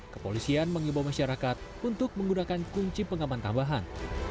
kepolisian mengimbau masyarakat untuk menggunakan kunci pengaman tambahan